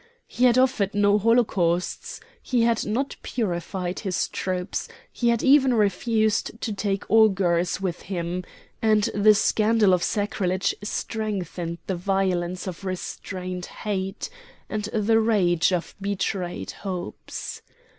He had offered no holocausts; he had not purified his troops; he had even refused to take augurs with him; and the scandal of sacrilege strengthened the violence of restrained hate, and the rage of betrayed hopes.